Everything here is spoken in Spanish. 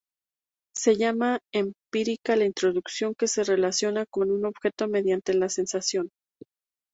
Se llama empírica la intuición que se relaciona con un objeto mediante la sensación.